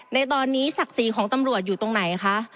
ในตอนนี้ศักดิ์ศรีของตำรวจอยู่ตรงไหนคะ